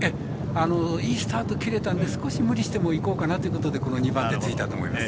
いいスタートを切れたんで少し無理してもいこうかなというところでこの２番手ついたと思います。